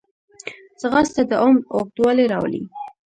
ځغاسته د عمر اوږدوالی راولي